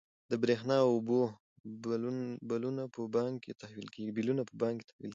د برښنا او اوبو بلونه په بانک کې تحویل کیږي.